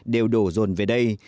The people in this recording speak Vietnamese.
đều đổ dồn về đây